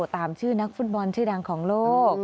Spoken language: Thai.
ตามชื่อนักฟุตบอลชื่อดังของโลก